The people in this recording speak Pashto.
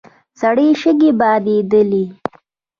سرې شګې بادېدلې.